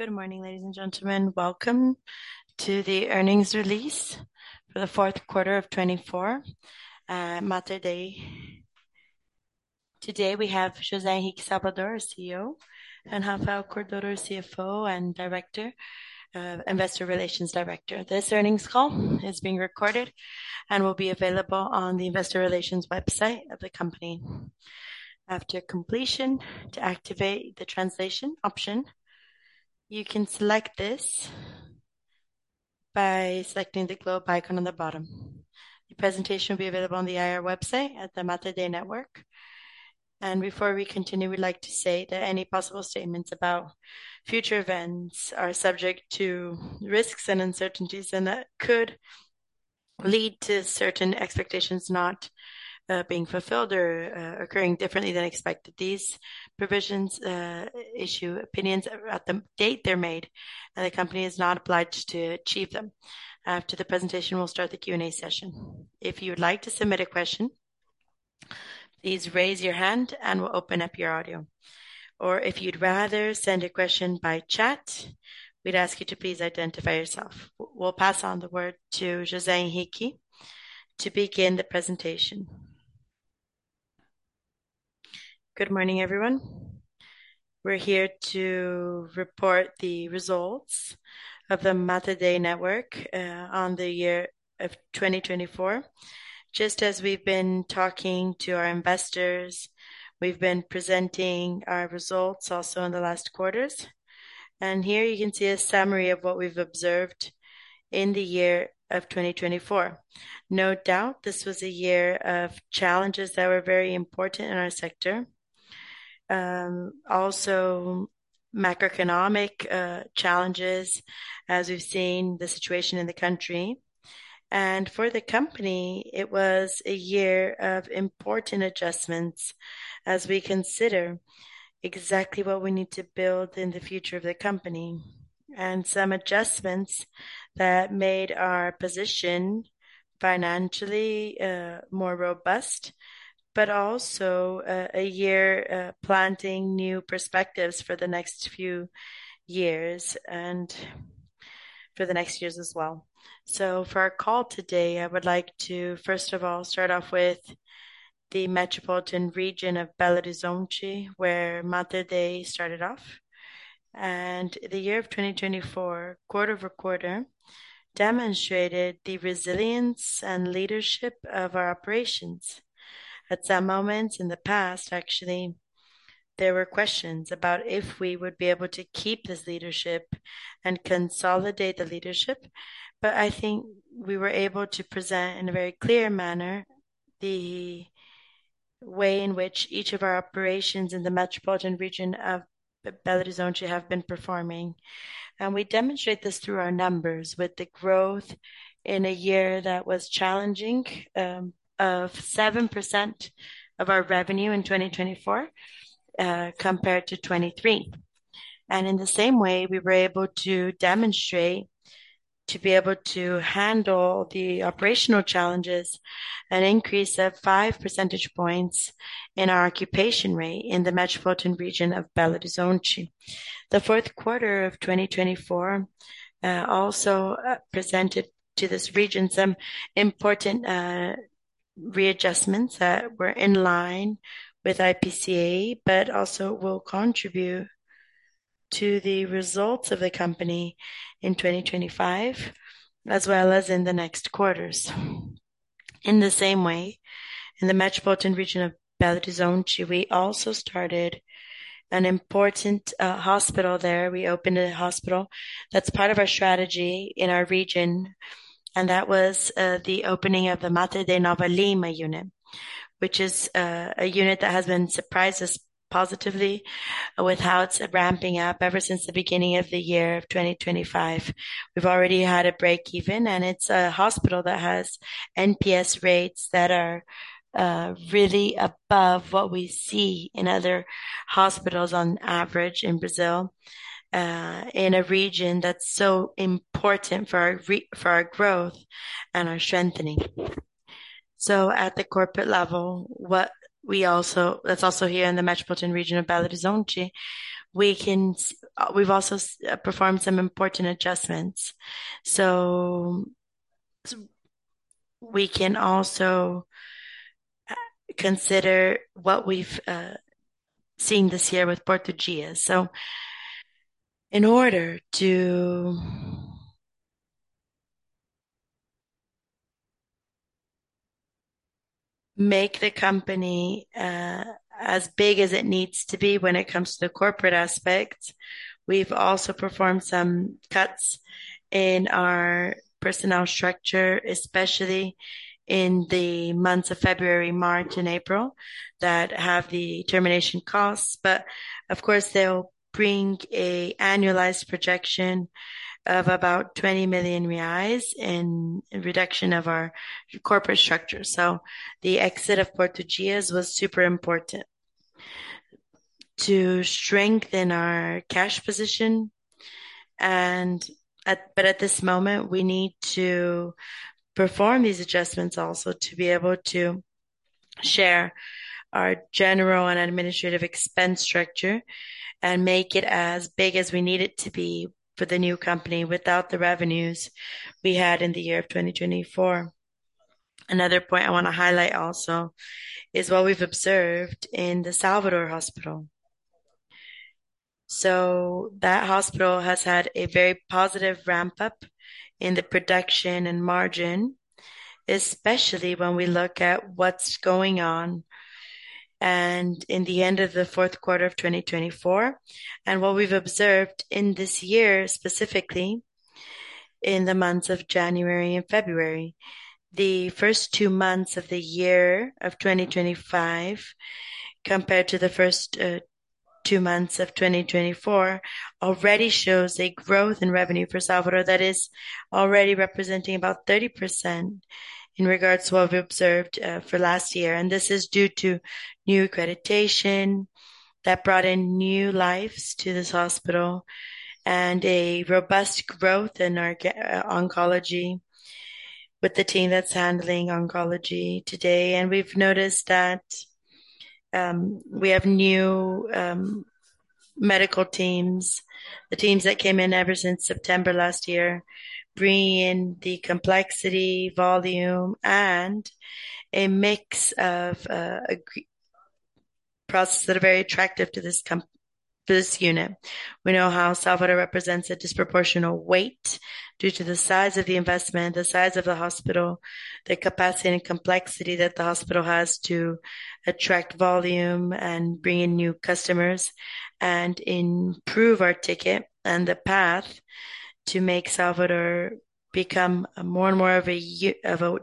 Good morning, ladies and gentlemen. Welcome to the earnings release for the fourth quarter of 2024, Mater Dei. Today we have José Henrique Salvador, CEO, and Rafael Cordeiro, CFO and Director, Investor Relations Director. This earnings call is being recorded and will be available on the investor relations website of the company. After completion, to activate the translation option, you can select this by selecting the globe icon on the bottom. The presentation will be available on the IR website at the Mater Dei Network. Before we continue, we'd like to say that any possible statements about future events are subject to risks and uncertainties, and that could lead to certain expectations not being fulfilled or occurring differently than expected. These provisions issue opinions at the date they're made, and the company is not obliged to achieve them. After the presentation, we'll start the Q&A session. If you would like to submit a question, please raise your hand, and we'll open up your audio. Or if you'd rather send a question by chat, we'd ask you to please identify yourself. We'll pass on the word to José Henrique to begin the presentation. Good morning, everyone. We're here to report the results of the Mater Dei Network on the year of 2024. Just as we've been talking to our investors, we've been presenting our results also in the last quarters. Here you can see a summary of what we've observed in the year of 2024. No doubt, this was a year of challenges that were very important in our sector. Also, macroeconomic challenges, as we've seen the situation in the country. For the company, it was a year of important adjustments as we consider exactly what we need to build in the future of the company, and some adjustments that made our position financially more robust, but also a year planting new perspectives for the next few years and for the next years as well. For our call today, I would like to, first of all, start off with the metropolitan region of Belo Horizonte, where Mater Dei started off. The year of 2024, quarter-over-quarter, demonstrated the resilience and leadership of our operations. At some moments in the past, actually, there were questions about if we would be able to keep this leadership and consolidate the leadership. I think we were able to present in a very clear manner the way in which each of our operations in the metropolitan region of Belo Horizonte have been performing. We demonstrate this through our numbers with the growth in a year that was challenging of 7% of our revenue in 2024 compared to 2023. In the same way, we were able to demonstrate to be able to handle the operational challenges an increase of 5 percentage points in our occupation rate in the metropolitan region of Belo Horizonte. The fourth quarter of 2024 also presented to this region some important readjustments that were in line with IPCA, but also will contribute to the results of the company in 2025, as well as in the next quarters. In the same way, in the metropolitan region of Belo Horizonte, we also started an important hospital there. We opened a hospital that's part of our strategy in our region. That was the opening of the Mater Dei Nova Lima unit, which is a unit that has been surprised positively with how it's ramping up ever since the beginning of the year of 2025. We've already had a breakeven, and it's a hospital that has NPS rates that are really above what we see in other hospitals on average in Brazil in a region that's so important for our growth and our strengthening. At the corporate level, what we also that's also here in the metropolitan region of Belo Horizonte, we can we've also performed some important adjustments. We can also consider what we've seen this year with Porto Dias. In order to make the company as big as it needs to be when it comes to the corporate aspect, we've also performed some cuts in our personnel structure, especially in the months of February, March, and April that have the termination costs. Of course, they'll bring an annualized projection of about 20 million reais in reduction of our corporate structure. The exit of Porto Dias was super important to strengthen our cash position. At this moment, we need to perform these adjustments also to be able to share our general and administrative expense structure and make it as big as we need it to be for the new company without the revenues we had in the year of 2024. Another point I want to highlight also is what we've observed in the Salvador hospital. That hospital has had a very positive ramp-up in the production and margin, especially when we look at what's going on in the end of the fourth quarter of 2024. What we've observed in this year, specifically in the months of January and February, the first two months of the year of 2025 compared to the first two months of 2024, already shows a growth in revenue for Salvador that is already representing about 30% in regards to what we observed for last year. This is due to new accreditation that brought in new lives to this hospital and a robust growth in our oncology with the team that's handling oncology today. We have noticed that we have new medical teams, the teams that came in ever since September last year, bringing in the complexity, volume, and a mix of processes that are very attractive to this unit. We know how Salvador represents a disproportional weight due to the size of the investment, the size of the hospital, the capacity and complexity that the hospital has to attract volume and bring in new customers and improve our ticket. The path to make Salvador become more and more of a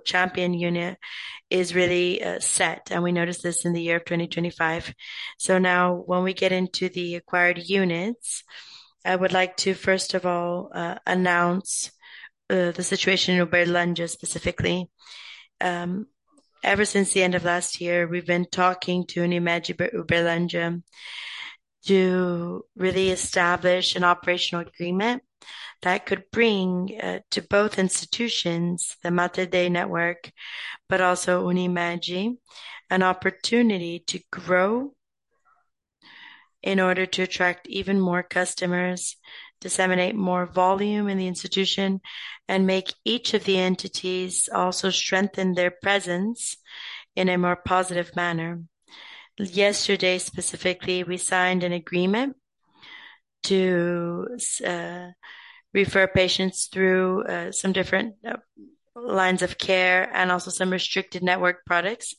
champion unit is really set. We noticed this in the year of 2025. Now, when we get into the acquired units, I would like to, first of all, announce the situation in Uberlândia specifically. Ever since the end of last year, we've been talking to Unimed Uberlândia to really establish an operational agreement that could bring to both institutions, the Mater Dei Network, but also Unimed, an opportunity to grow in order to attract even more customers, disseminate more volume in the institution, and make each of the entities also strengthen their presence in a more positive manner. Yesterday, specifically, we signed an agreement to refer patients through some different lines of care and also some restricted network products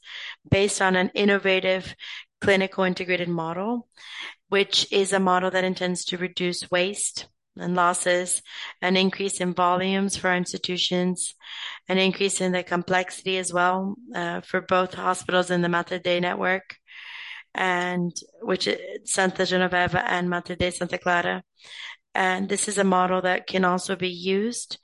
based on an innovative clinical integrated model, which is a model that intends to reduce waste and losses and increase in volumes for our institutions and increase in the complexity as well for both hospitals in the Mater Dei Network, which is Santa Genoveva and Mater Dei Santa Clara. This is a model that can also be used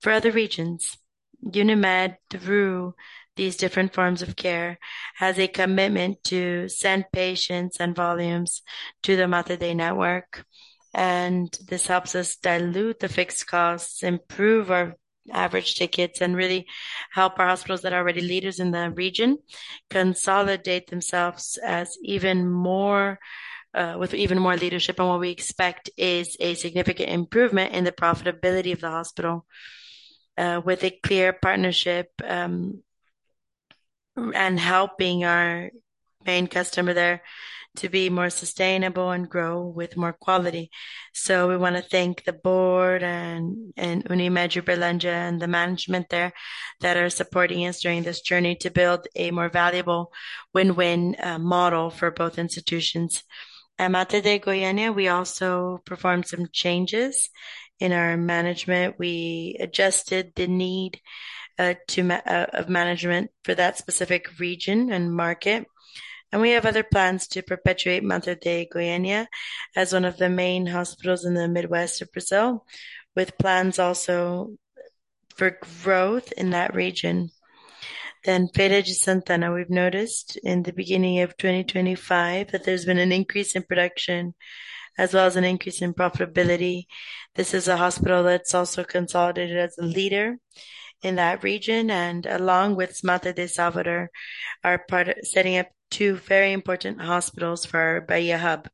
for other regions. Unimed through these different forms of care, has a commitment to send patients and volumes to the Mater Dei Network. This helps us dilute the fixed costs, improve our average tickets, and really help our hospitals that are already leaders in the region consolidate themselves with even more leadership. What we expect is a significant improvement in the profitability of the hospital with a clear partnership and helping our main customer there to be more sustainable and grow with more quality. We want to thank the board and Unimed Uberlândia and the management there that are supporting us during this journey to build a more valuable win-win model for both institutions. At Mater Dei Goiânia, we also performed some changes in our management. We adjusted the need of management for that specific region and market. We have other plans to perpetuate Mater Dei Goiânia as one of the main hospitals in the Midwest of Brazil, with plans also for growth in that region. Feira de Santana, we've noticed in the beginning of 2025 that there's been an increase in production as well as an increase in profitability. This is a hospital that's also consolidated as a leader in that region. Along with Mater Dei Salvador, they are setting up two very important hospitals for our Bahia hub.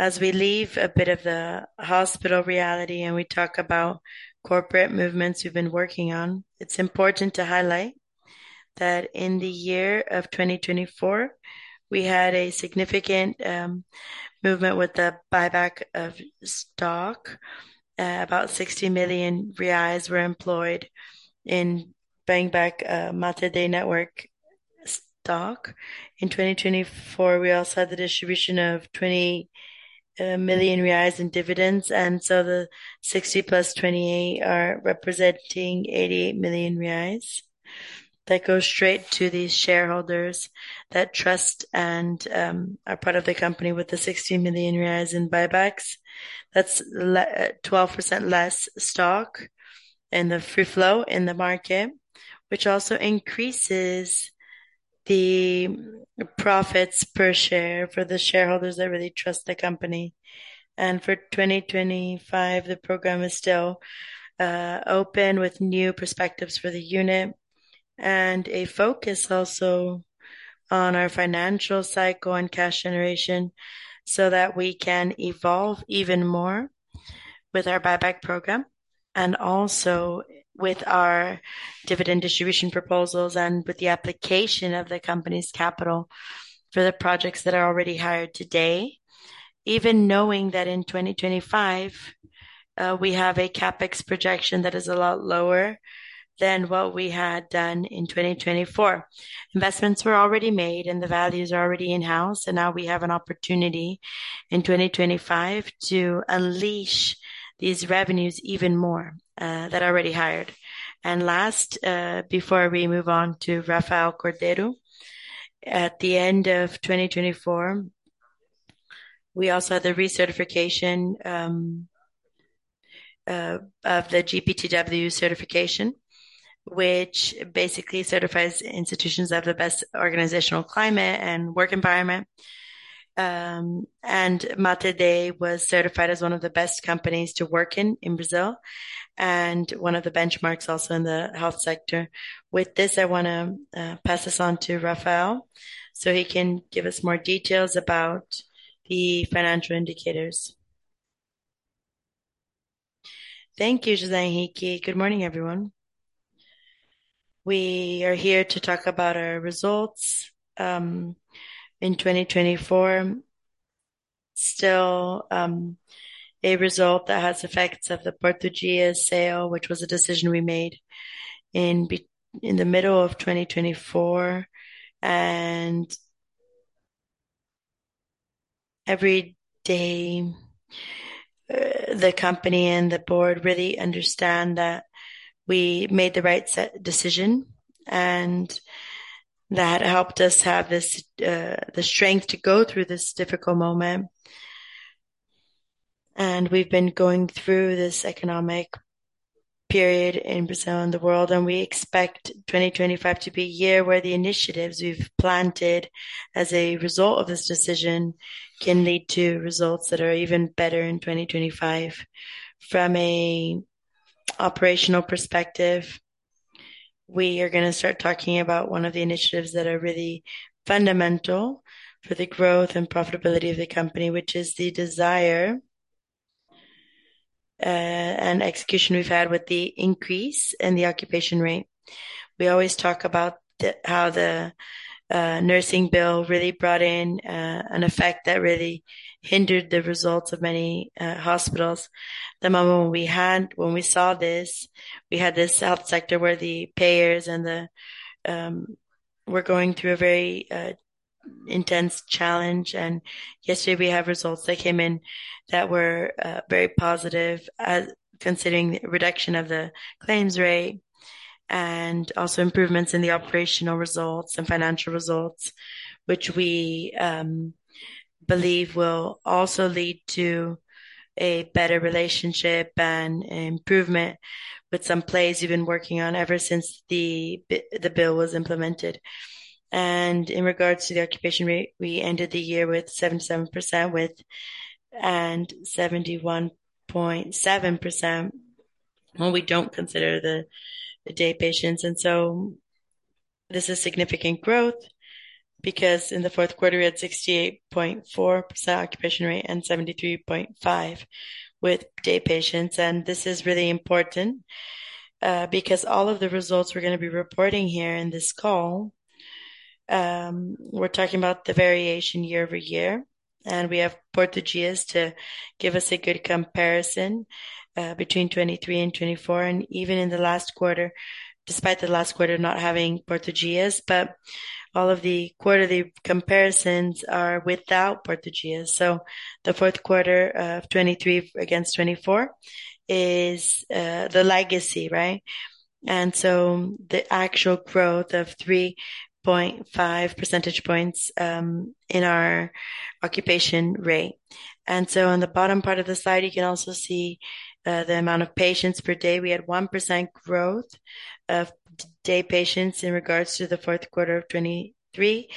As we leave a bit of the hospital reality and we talk about corporate movements we've been working on, it's important to highlight that in the year of 2024, we had a significant movement with the buyback of stock. About 60 million reais were employed in buying back Mater Dei Network stock. In 2024, we also had the distribution of 20 million reais in dividends. The 60 plus 20 are representing 88 million reais that go straight to the shareholders that trust and are part of the company with the 60 million reais in buybacks. That is 12% less stock in the free flow in the market, which also increases the profits per share for the shareholders that really trust the company. For 2025, the program is still open with new perspectives for the unit and a focus also on our financial cycle and cash generation so that we can evolve even more with our buyback program and also with our dividend distribution proposals and with the application of the company's capital for the projects that are already hired today, even knowing that in 2025, we have a CapEx projection that is a lot lower than what we had done in 2024. Investments were already made and the values are already in-house. We have an opportunity in 2025 to unleash these revenues even more that are already hired. Last, before we move on to Rafael Cordeiro, at the end of 2024, we also had the recertification of the GPTW certification, which basically certifies institutions that have the best organizational climate and work environment. Mater Dei was certified as one of the best companies to work in in Brazil and one of the benchmarks also in the health sector. With this, I want to pass this on to Rafael so he can give us more details about the financial indicators. Thank you, José Henrique. Good morning, everyone. We are here to talk about our results in 2024. Still a result that has effects of the Porto Dias sale, which was a decision we made in the middle of 2024. Every day, the company and the board really understand that we made the right decision and that helped us have the strength to go through this difficult moment. We have been going through this economic period in Brazil and the world. We expect 2025 to be a year where the initiatives we have planted as a result of this decision can lead to results that are even better in 2025. From an operational perspective, we are going to start talking about one of the initiatives that are really fundamental for the growth and profitability of the company, which is the desire and execution we have had with the increase in the occupation rate. We always talk about how the Nursing Bill really brought in an effect that really hindered the results of many hospitals. The moment when we saw this, we had this health sector where the payers were going through a very intense challenge. Yesterday, we had results that came in that were very positive considering the reduction of the claims rate and also improvements in the operational results and financial results, which we believe will also lead to a better relationship and improvement with some plays we've been working on ever since the bill was implemented. In regards to the occupation rate, we ended the year with 77% with and 71.7% when we do not consider the day patients. This is significant growth because in the fourth quarter, we had 68.4% occupation rate and 73.5% with day patients. This is really important because all of the results we are going to be reporting here in this call, we are talking about the variation year-over-year. We have Porto Dias to give us a good comparison between 2023 and 2024. Even in the last quarter, despite the last quarter not having Porto Dias, all of the quarterly comparisons are without Porto Dias. The fourth quarter of 2023 against 2024 is the legacy, right? The actual growth of 3.5 percentage points in our occupation rate. On the bottom part of the slide, you can also see the amount of patients per day. We had 1% growth of day patients in regards to the fourth quarter of 2023.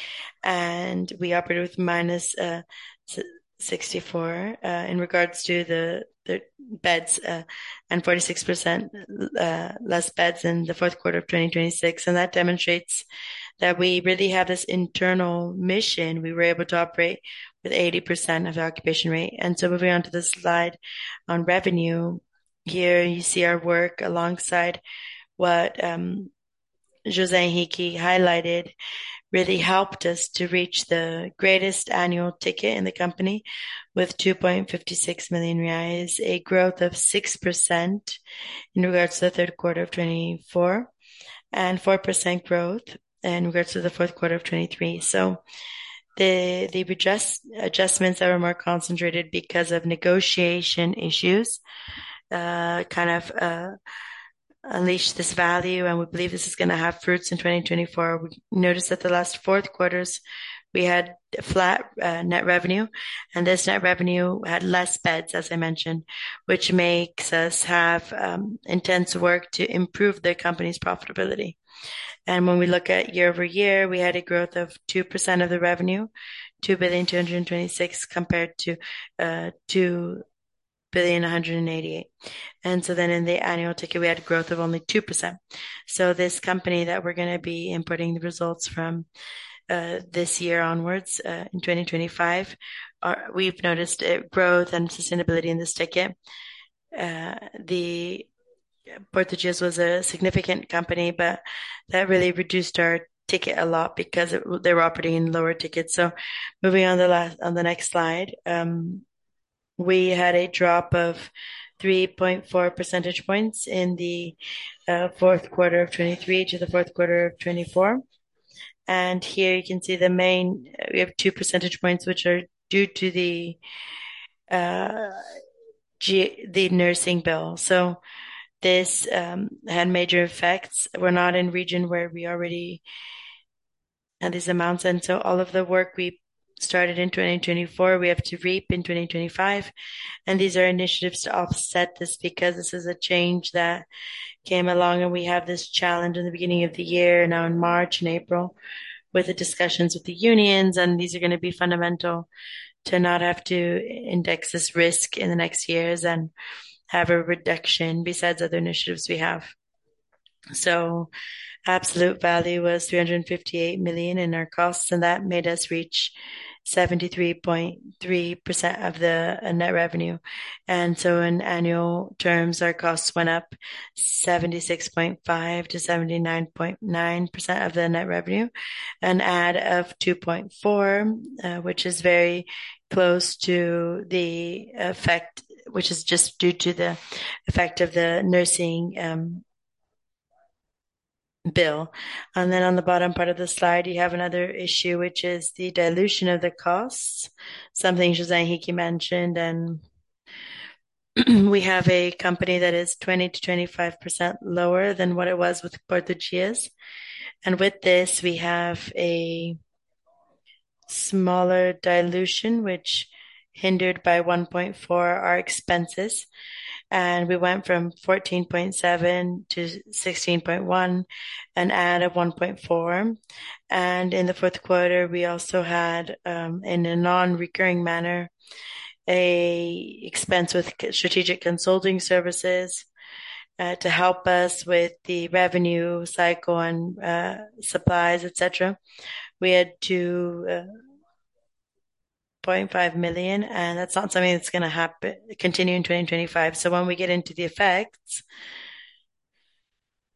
We operated with minus 64 in regards to the beds and 46% less beds in the fourth quarter of 2026. That demonstrates that we really have this internal mission. We were able to operate with 80% of the occupation rate. Moving on to this slide on revenue, here you see our work alongside what José Henrique highlighted really helped us to reach the greatest annual ticket in the company with 2.56 million reais, a growth of 6% in regards to the third quarter of 2024 and 4% growth in regards to the fourth quarter of 2023. The adjustments that were more concentrated because of negotiation issues kind of unleashed this value. We believe this is going to have fruits in 2024. We noticed that the last four quarters, we had flat net revenue. This net revenue had less beds, as I mentioned, which makes us have intense work to improve the company's profitability. When we look at year-over-year, we had a growth of 2% of the revenue, 2,226, compared to 2,188. In the annual ticket, we had a growth of only 2%. This company that we're going to be importing the results from this year onwards in 2025, we've noticed growth and sustainability in this ticket. Porto Dias was a significant company, but that really reduced our ticket a lot because they were operating in lower tickets. Moving on to the next slide, we had a drop of 3.4 percentage points in the fourth quarter of 2023 to the fourth quarter of 2024. Here you can see the main, we have two percentage points, which are due to the Nursing Bill. This had major effects. We're not in a region where we already had these amounts. All of the work we started in 2024, we have to reap in 2025. These are initiatives to offset this because this is a change that came along. We have this challenge in the beginning of the year, now in March and April, with the discussions with the unions. These are going to be fundamental to not have to index this risk in the next years and have a reduction besides other initiatives we have. Absolute value was 358 million in our costs. That made us reach 73.3% of the net revenue. In annual terms, our costs went up from 76.5% to 79.9% of the net revenue, an add of 2.4%, which is very close to the effect, which is just due to the effect of the Nursing Bill. On the bottom part of the slide, you have another issue, which is the dilution of the costs, something José Henrique mentioned. We have a company that is 20 to 25% lower than what it was with Porto Dias. With this, we have a smaller dilution, which hindered by 1.4% our expenses. We went from 14.7% to 16.1%, an add of 1.4%. In the fourth quarter, we also had, in a non-recurring manner, an expense with strategic consulting services to help us with the revenue cycle and supplies, etc. We had 2.5 million. That is not something that is going to continue in 2025. When we get into the effects,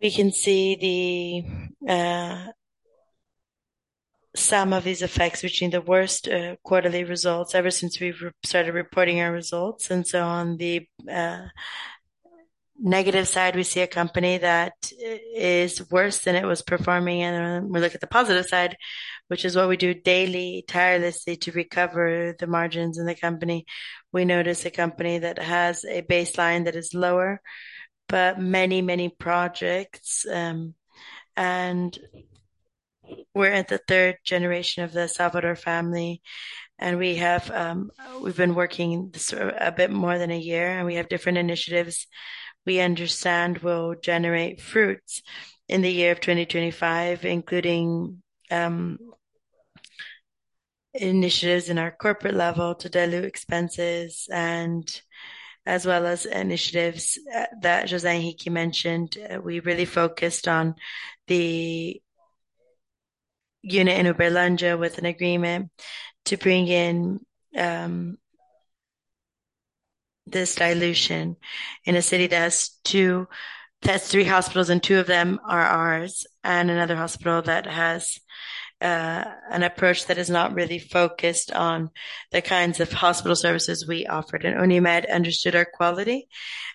we can see the sum of these effects between the worst quarterly results ever since we have started reporting our results. On the negative side, we see a company that is worse than it was performing. We look at the positive side, which is what we do daily tirelessly to recover the margins in the company. We notice a company that has a baseline that is lower, but many, many projects. We are at the third generation of the Salvador family. We have been working a bit more than a year. We have different initiatives. We understand will generate fruits in the year of 2025, including initiatives in our corporate level to dilute expenses as well as initiatives that José Henrique mentioned. We really focused on the unit in Uberlândia with an agreement to bring in this dilution in a city that has three hospitals, and two of them are ours, and another hospital that has an approach that is not really focused on the kinds of hospital services we offered. Unimed understood our quality.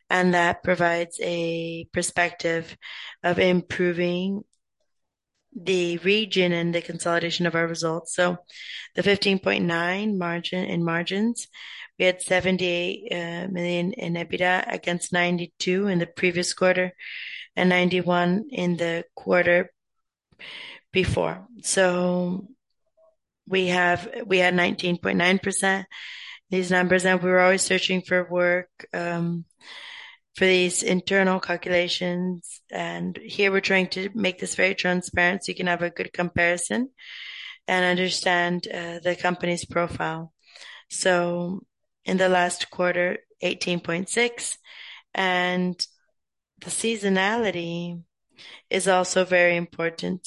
That provides a perspective of improving the region and the consolidation of our results. The 15.9% in margins, we had 78 million in EBITDA against 92 million in the previous quarter and 91 million in the quarter before. We had 19.9%, these numbers. We were always searching for work for these internal calculations. Here, we're trying to make this very transparent so you can have a good comparison and understand the company's profile. In the last quarter, 18.6%. The seasonality is also very important.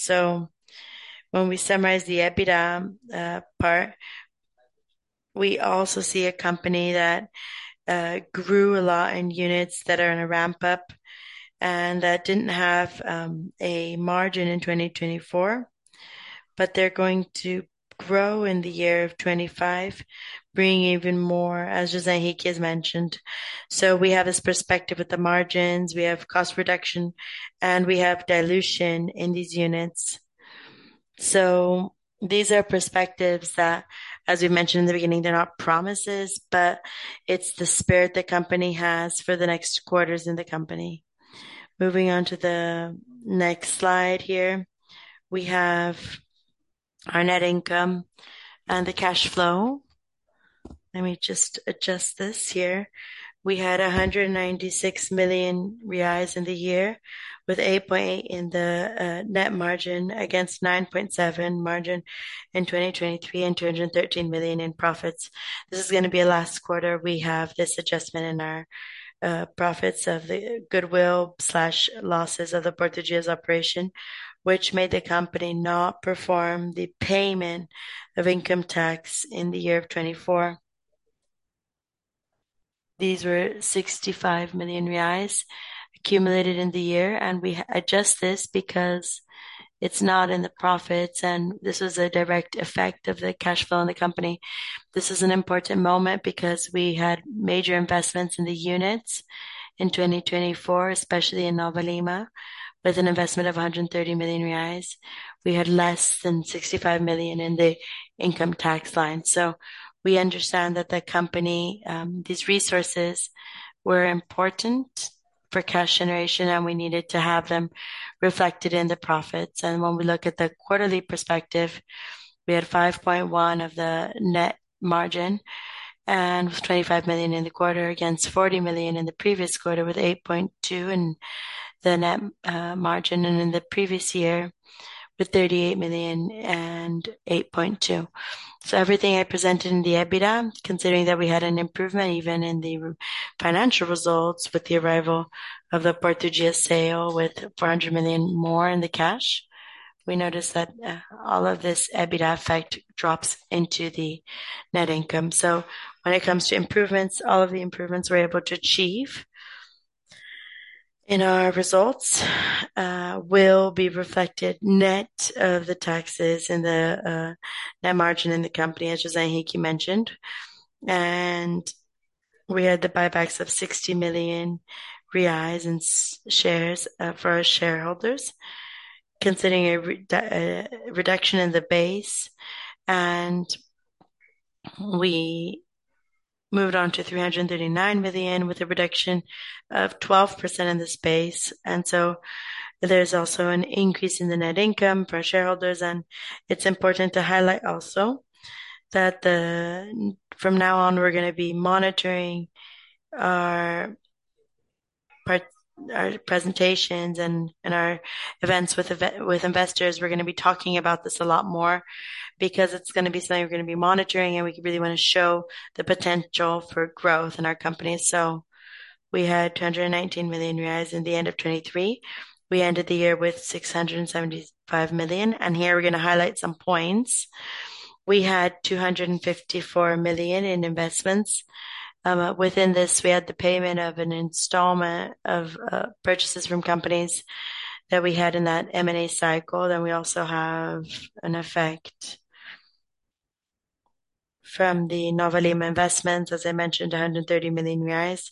When we summarize the EBITDA part, we also see a company that grew a lot in units that are in a ramp-up and that did not have a margin in 2024, but they are going to grow in the year of 2025, bringing even more, as José Henrique has mentioned. We have this perspective with the margins. We have cost reduction, and we have dilution in these units. These are perspectives that, as we mentioned in the beginning, they're not promises, but it's the spirit the company has for the next quarters in the company. Moving on to the next slide here, we have our net income and the cash flow. Let me just adjust this here. We had 196 million reais in the year with 8.8% in the net margin against 9.7% margin in 2023 and 213 million in profits. This is going to be a last quarter. We have this adjustment in our profits of the goodwill/losses of the Porto Dias operation, which made the company not perform the payment of income tax in the year of 2024. These were 65 million reais accumulated in the year. And we adjust this because it's not in the profits. This was a direct effect of the cash flow in the company. This is an important moment because we had major investments in the units in 2024, especially in Nova Lima, with an investment of 130 million reais. We had less than 65 million in the income tax line. We understand that the company, these resources were important for cash generation, and we needed to have them reflected in the profits. When we look at the quarterly perspective, we had 5.1% of the net margin and 25 million in the quarter against 40 million in the previous quarter with 8.2% in the net margin and in the previous year with 38 million and 8.2%. Everything I presented in the EBITDA, considering that we had an improvement even in the financial results with the arrival of the Porto Dias sale with 400 million more in the cash, we noticed that all of this EBITDA effect drops into the net income. When it comes to improvements, all of the improvements we're able to achieve in our results will be reflected net of the taxes and the net margin in the company, as José Henrique mentioned. We had the buybacks of 60 million reais in shares for our shareholders, considering a reduction in the base. We moved on to 339 million with a reduction of 12% in this base. There is also an increase in the net income for our shareholders. It is important to highlight also that from now on, we're going to be monitoring our presentations and our events with investors. We're going to be talking about this a lot more because it's going to be something we're going to be monitoring, and we really want to show the potential for growth in our company. We had 219 million reais in the end of 2023. We ended the year with 675 million. Here, we're going to highlight some points. We had 254 million in investments. Within this, we had the payment of an installment of purchases from companies that we had in that M&A cycle. We also have an effect from the Nova Lima investments, as I mentioned, 130 million reais.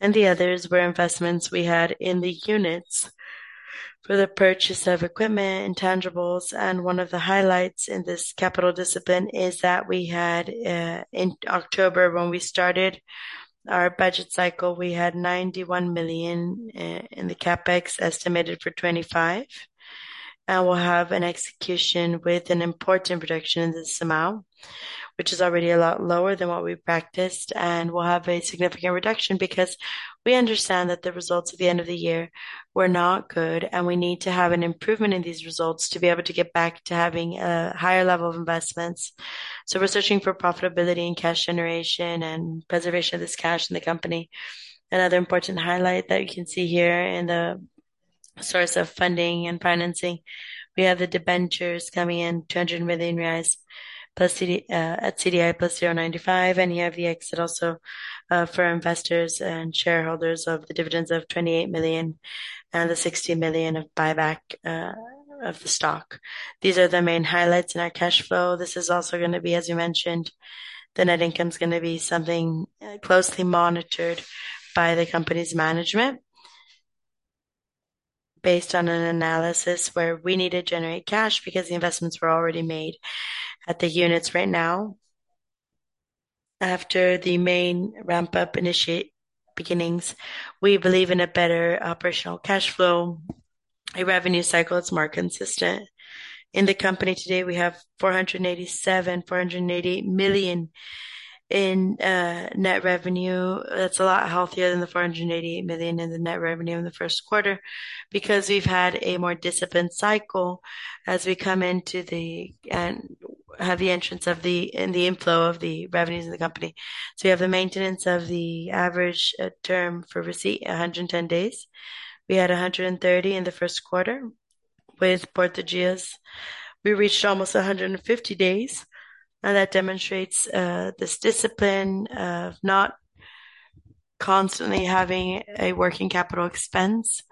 The others were investments we had in the units for the purchase of equipment and tangibles. One of the highlights in this capital discipline is that we had in October when we started our budget cycle, we had 91 million in the CapEx estimated for 2025. We will have an execution with an important reduction in this amount, which is already a lot lower than what we practiced. We will have a significant reduction because we understand that the results at the end of the year were not good. We need to have an improvement in these results to be able to get back to having a higher level of investments. We are searching for profitability in cash generation and preservation of this cash in the company. Another important highlight that you can see here in the source of funding and financing, we have the debentures coming in at 200 million reais at CDI plus 0.95. You have the exit also for investors and shareholders of the dividends of 28 million and the 60 million of buyback of the stock. These are the main highlights in our cash flow. This is also going to be, as you mentioned, the net income is going to be something closely monitored by the company's management based on an analysis where we need to generate cash because the investments were already made at the units right now. After the main ramp-up beginnings, we believe in a better operational cash flow, a revenue cycle that's more consistent. In the company today, we have 487 million, 488 million in net revenue. That's a lot healthier than the 488 million in the net revenue in the first quarter because we've had a more disciplined cycle as we come into the heavy entrance of the inflow of the revenues in the company. We have the maintenance of the average term for receipt, 110 days. We had 130 in the first quarter with Porto Dias. We reached almost 150 days. That demonstrates this discipline of not constantly having a working capital expense.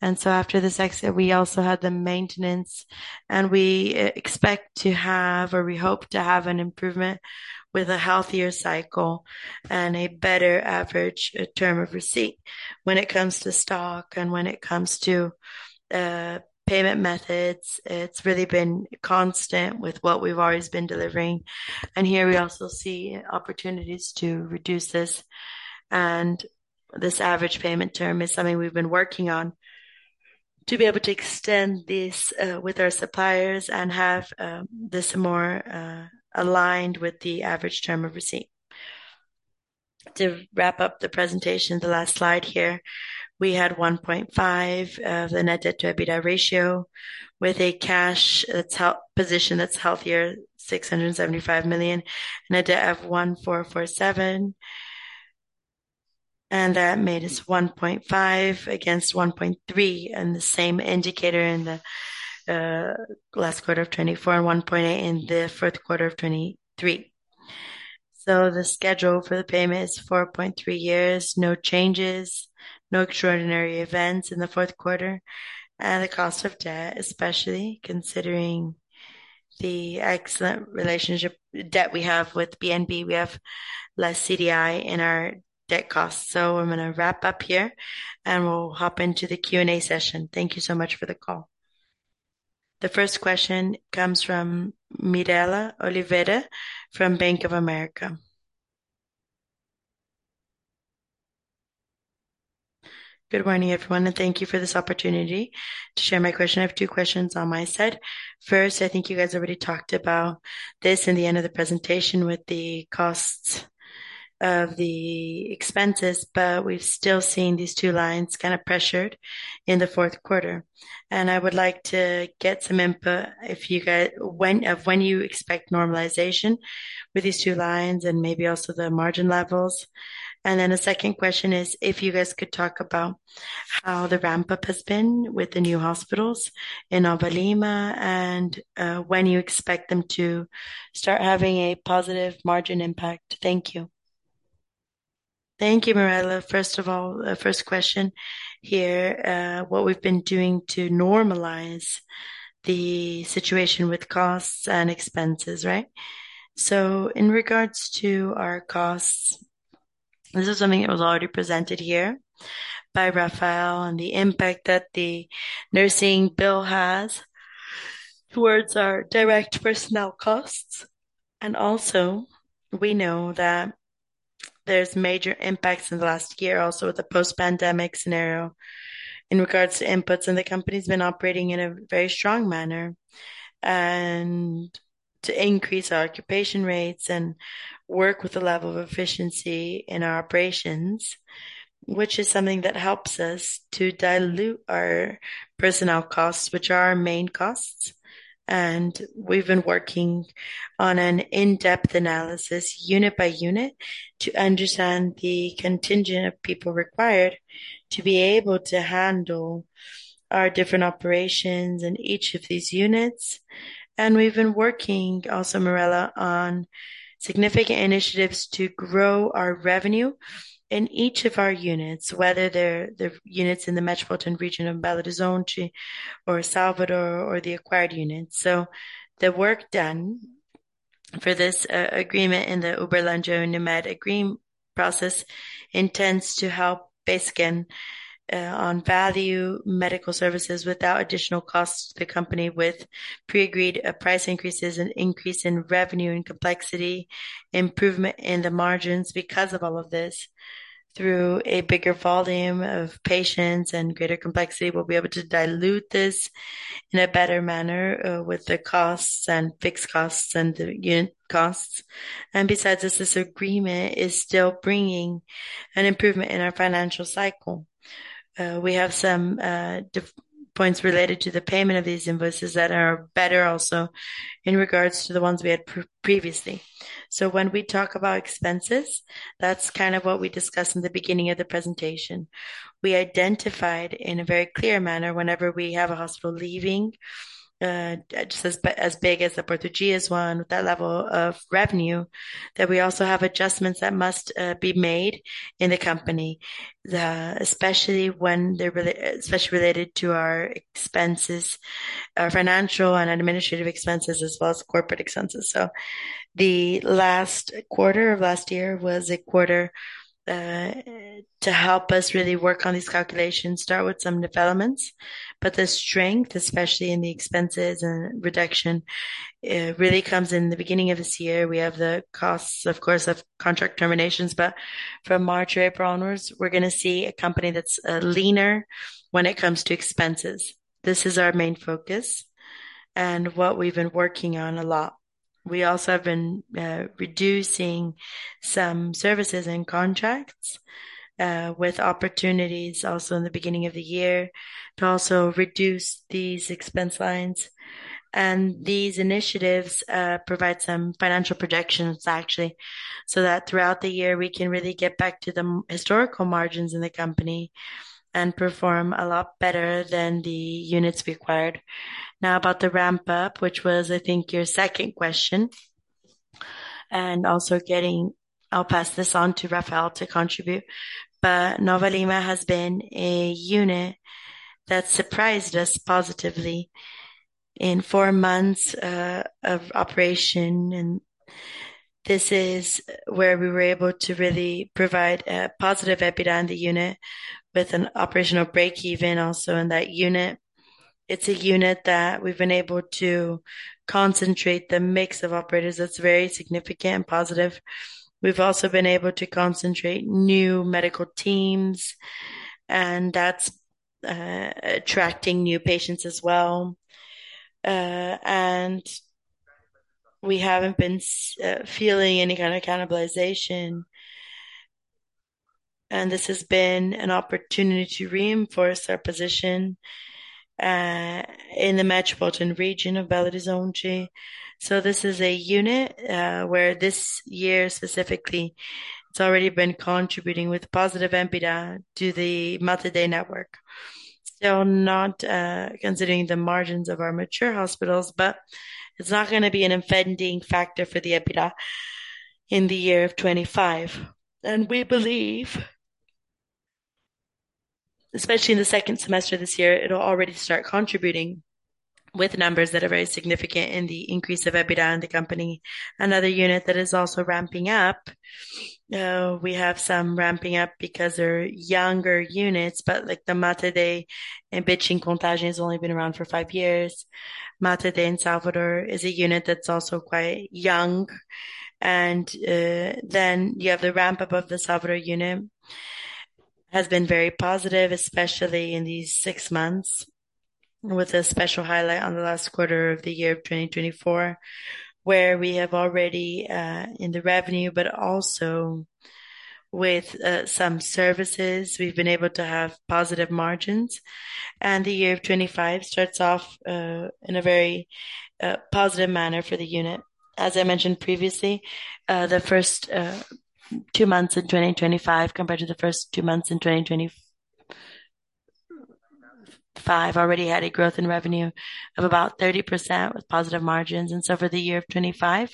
After this exit, we also had the maintenance. We expect to have, or we hope to have, an improvement with a healthier cycle and a better average term of receipt. When it comes to stock and when it comes to payment methods, it's really been constant with what we've always been delivering. Here, we also see opportunities to reduce this. This average payment term is something we've been working on to be able to extend this with our suppliers and have this more aligned with the average term of receipt. To wrap up the presentation, the last slide here, we had 1.5 of the net debt to EBITDA ratio with a cash position that's healthier, 675 million, net debt of 1,447 million. That made us 1.5 against 1.3 in the same indicator in the last quarter of 2024 and 1.8 in the fourth quarter of 2023. The schedule for the payment is 4.3 years, no changes, no extraordinary events in the fourth quarter. The cost of debt, especially considering the excellent relationship debt we have with BNB, we have less CDI in our debt costs. I am going to wrap up here, and we will hop into the Q&A session. Thank you so much for the call. The first question comes from Mirela Oliveira from Bank of America. Good morning, everyone. Thank you for this opportunity to share my question. I have two questions on my side. First, I think you guys already talked about this in the end of the presentation with the costs of the expenses, but we have still seen these two lines kind of pressured in the fourth quarter. I would like to get some input of when you expect normalization with these two lines and maybe also the margin levels. The second question is if you guys could talk about how the ramp-up has been with the new hospitals in Nova Lima and when you expect them to start having a positive margin impact. Thank you. Thank you, Mirela. First of all, first question here, what we've been doing to normalize the situation with costs and expenses, right? In regards to our costs, this is something that was already presented here by Rafael and the impact that the Nursing Bill has towards our direct personnel costs. Also, we know that there are major impacts in the last year, also with the post-pandemic scenario in regards to inputs. The company's been operating in a very strong manner to increase our occupation rates and work with the level of efficiency in our operations, which is something that helps us to dilute our personnel costs, which are our main costs. We've been working on an in-depth analysis unit by unit to understand the contingent of people required to be able to handle our different operations in each of these units. We've been working also, Mirela, on significant initiatives to grow our revenue in each of our units, whether they're the units in the Metropolitan Region of Belo Horizonte or Salvador or the acquired units. The work done for this agreement in the Uberlândia Unimed Agreement process intends to help base again on value medical services without additional costs to the company with pre-agreed price increases and increase in revenue and complexity, improvement in the margins because of all of this through a bigger volume of patients and greater complexity. We will be able to dilute this in a better manner with the costs and fixed costs and the unit costs. Besides this, this agreement is still bringing an improvement in our financial cycle. We have some points related to the payment of these invoices that are better also in regards to the ones we had previously. When we talk about expenses, that's kind of what we discussed in the beginning of the presentation. We identified in a very clear manner whenever we have a hospital leaving just as big as the Porto Dias one with that level of revenue that we also have adjustments that must be made in the company, especially when they're related to our expenses, our financial and administrative expenses, as well as corporate expenses. The last quarter of last year was a quarter to help us really work on these calculations, start with some developments. The strength, especially in the expenses and reduction, really comes in the beginning of this year. We have the costs, of course, of contract terminations. From March or April onwards, we're going to see a company that's leaner when it comes to expenses. This is our main focus and what we've been working on a lot. We also have been reducing some services and contracts with opportunities also in the beginning of the year to also reduce these expense lines. These initiatives provide some financial projections, actually, so that throughout the year, we can really get back to the historical margins in the company and perform a lot better than the units required. Now, about the ramp-up, which was, I think, your second question, and also getting, I'll pass this on to Rafael to contribute. Nova Lima has been a unit that surprised us positively in four months of operation. This is where we were able to really provide a positive EBITDA in the unit with an operational breakeven also in that unit. It's a unit that we've been able to concentrate the mix of operators. That's very significant and positive. We've also been able to concentrate new medical teams, and that's attracting new patients as well. We haven't been feeling any kind of cannibalization. This has been an opportunity to reinforce our position in the Metropolitan Region of Belo Horizonte. This is a unit where this year specifically, it's already been contributing with positive EBITDA to the Mater Dei Network. Not considering the margins of our mature hospitals, but it's not going to be an impending factor for the EBITDA in the year of 2025. We believe, especially in the second semester this year, it'll already start contributing with numbers that are very significant in the increase of EBITDA in the company. Another unit that is also ramping up. We have some ramping up because they're younger units, but the Mater Dei in Betim-Contagem has only been around for five years. Mater Dei in Salvador is a unit that's also quite young. Then you have the ramp-up of the Salvador unit. It has been very positive, especially in these six months, with a special highlight on the last quarter of the year 2024, where we have already in the revenue, but also with some services, we've been able to have positive margins. The year 2025 starts off in a very positive manner for the unit. As I mentioned previously, the first two months in 2025 compared to the first two months in 2024 already had a growth in revenue of about 30% with positive margins. For the year 2025,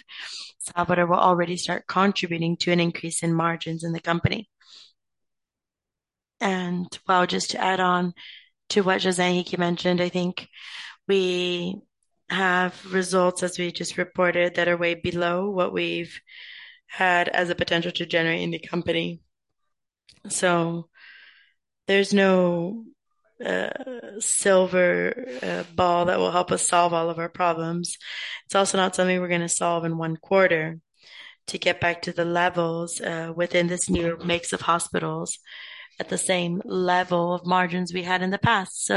Salvador will already start contributing to an increase in margins in the company. Just to add on to what José Henrique mentioned, I think we have results, as we just reported, that are way below what we've had as a potential to generate in the company. There is no silver ball that will help us solve all of our problems. It's also not something we're going to solve in one quarter to get back to the levels within this new mix of hospitals at the same level of margins we had in the past.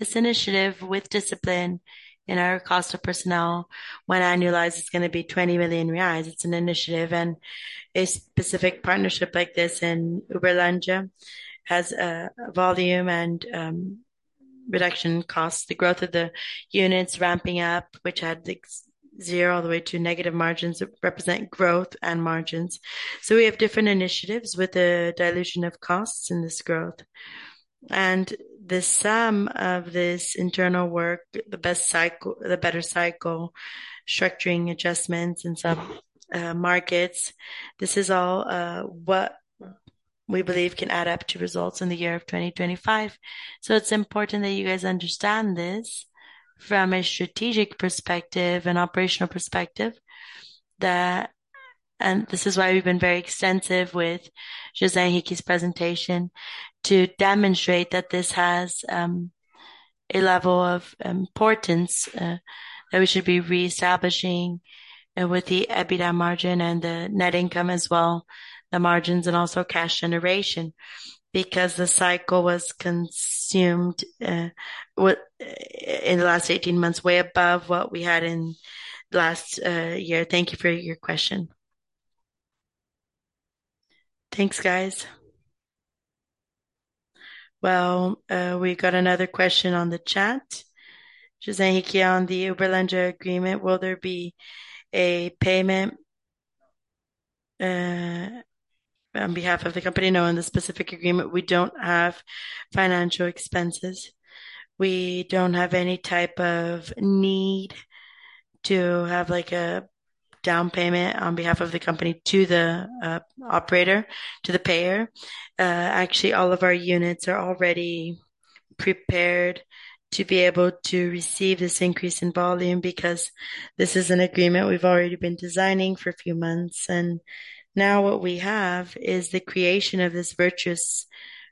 This initiative with discipline in our cost of personnel, when annualized, is going to be 20 million reais. It's an initiative. A specific partnership like this in Uberlândia has volume and reduction costs. The growth of the units ramping up, which had zero all the way to negative margins, represent growth and margins. We have different initiatives with the dilution of costs and this growth. The sum of this internal work, the better cycle, structuring adjustments in some markets, this is all what we believe can add up to results in the year of 2025. It is important that you guys understand this from a strategic perspective and operational perspective. This is why we've been very extensive with José Henrique's presentation to demonstrate that this has a level of importance that we should be reestablishing with the EBITDA margin and the net income as well, the margins and also cash generation because the cycle was consumed in the last 18 months way above what we had in the last year. Thank you for your question. Thanks, guys. We have another question on the chat. José Henrique, on the Uberlândia agreement, will there be a payment on behalf of the company? No, in the specific agreement, we do not have financial expenses. We do not have any type of need to have a down payment on behalf of the company to the operator, to the payer. Actually, all of our units are already prepared to be able to receive this increase in volume because this is an agreement we have already been designing for a few months. Now what we have is the creation of this virtuous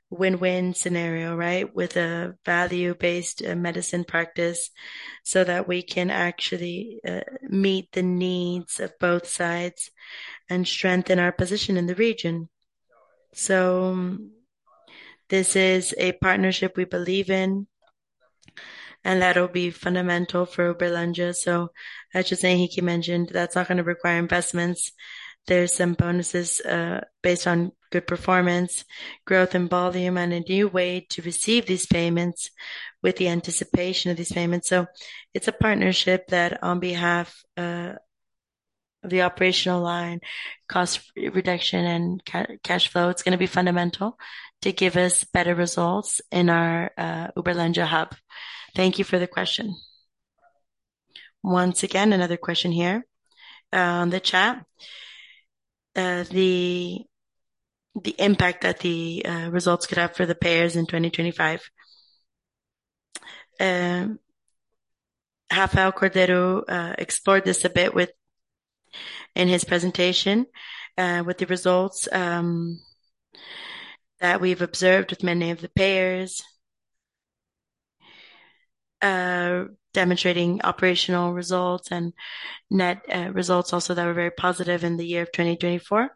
win-win scenario, right, with a value-based medicine practice so that we can actually meet the needs of both sides and strengthen our position in the region. This is a partnership we believe in, and that will be fundamental for Uberlândia. As José Henrique mentioned, that is not going to require investments. are some bonuses based on good performance, growth in volume, and a new way to receive these payments with the anticipation of these payments. It is a partnership that, on behalf of the operational line, cost reduction, and cash flow, is going to be fundamental to give us better results in our Uberlândia hub. Thank you for the question. Once again, another question here on the chat. The impact that the results could have for the payers in 2025. Rafael Cordeiro explored this a bit in his presentation with the results that we have observed with many of the payers, demonstrating operational results and net results also that were very positive in the year of 2024.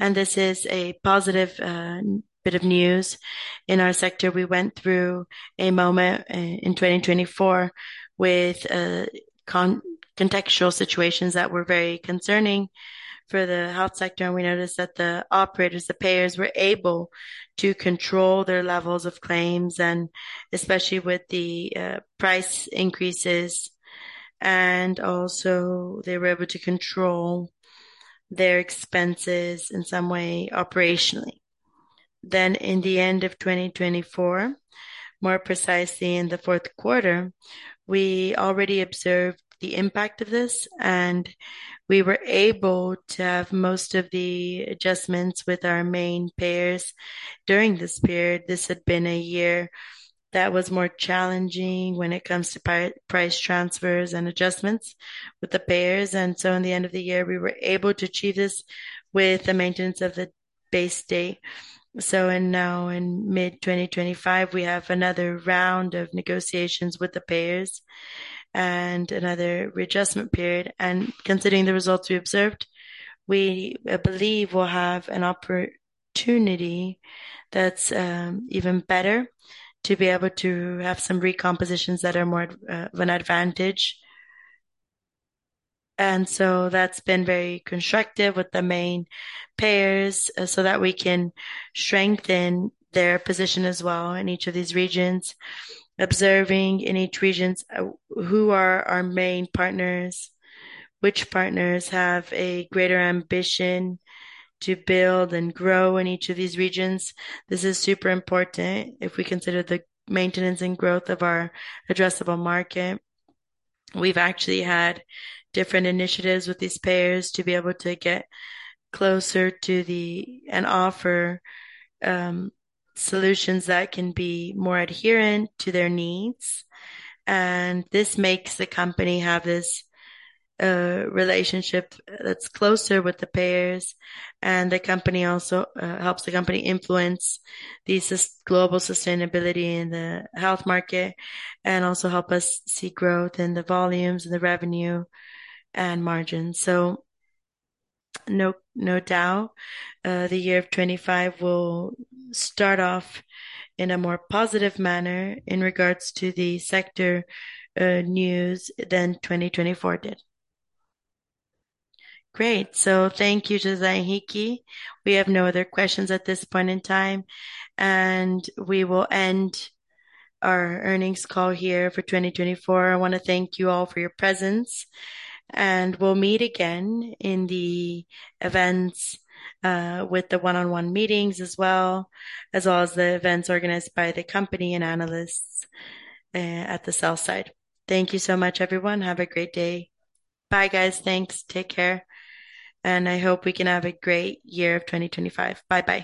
This is a positive bit of news in our sector. We went through a moment in 2024 with contextual situations that were very concerning for the health sector. We noticed that the operators, the payers, were able to control their levels of claims, and especially with the price increases. They were also able to control their expenses in some way operationally. In the end of 2024, more precisely in the fourth quarter, we already observed the impact of this. We were able to have most of the adjustments with our main payers during this period. This had been a year that was more challenging when it comes to price transfers and adjustments with the payers. In the end of the year, we were able to achieve this with the maintenance of the base date. Now in mid-2025, we have another round of negotiations with the payers and another readjustment period. Considering the results we observed, we believe we'll have an opportunity that's even better to be able to have some recompositions that are more of an advantage. That has been very constructive with the main payers so that we can strengthen their position as well in each of these regions, observing in each region who are our main partners, which partners have a greater ambition to build and grow in each of these regions. This is super important if we consider the maintenance and growth of our addressable market. We've actually had different initiatives with these payers to be able to get closer to them and offer solutions that can be more adherent to their needs. This makes the company have this relationship that's closer with the payers. The company also helps the company influence the global sustainability in the health market and also help us see growth in the volumes and the revenue and margins. No doubt, the year of 2025 will start off in a more positive manner in regards to the sector news than 2024 did. Great. Thank you, José Henrique. We have no other questions at this point in time. We will end our earnings call here for 2024. I want to thank you all for your presence. We'll meet again in the events with the one-on-one meetings as well, as well as the events organized by the company and analysts at the sell side. Thank you so much, everyone. Have a great day. Bye, guys. Thanks. Take care. I hope we can have a great year of 2025. Bye-bye.